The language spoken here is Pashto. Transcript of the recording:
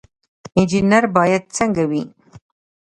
انجنیر باید څنګه وي؟